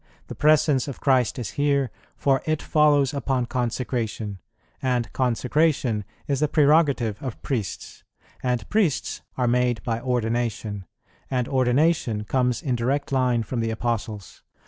"The Presence of Christ is here, for It follows upon Consecration; and Consecration is the prerogative of Priests; and Priests are made by Ordination; and Ordination comes in direct line from the Apostles.